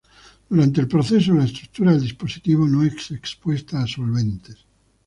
Durante el proceso, la estructura del dispositivo no es expuesta a solventes.